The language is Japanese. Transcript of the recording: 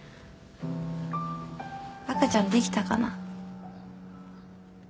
赤ちゃんできたかな？